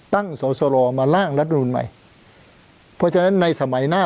สอสรมาล่างรัฐนูลใหม่เพราะฉะนั้นในสมัยหน้า